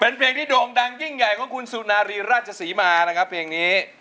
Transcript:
เป็นเพลงที่โด่งดังยิ่งใหญ่ของคุณสุนารีราชศรีมานะครับเพลงนี้